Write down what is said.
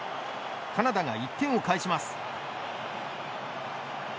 カナダが１点を返します。